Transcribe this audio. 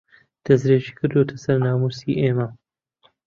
دەستدرێژی کردووەتە سەر ناموسی ئێمە